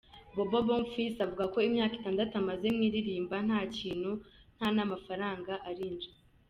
Bobo Bonfils avuga ko imyaka itandatu amaze mu aririmba, nta kintu nta mafaranga arinjiza.